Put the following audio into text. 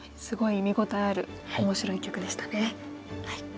すごい見応えある面白い一局でしたね。